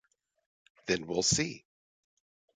Then we’ll see.